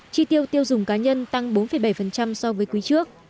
chi tiêu tiêu dùng cá nhân tăng bốn bảy so với quý trước